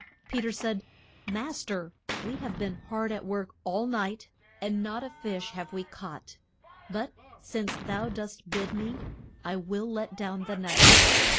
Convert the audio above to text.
Pe ter said, Mas ter, we have been hard at work all the night, and not a fish have we caught; but, since thou dost bid me, I will let down the net.